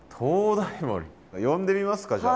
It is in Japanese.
呼んでみますかじゃあ。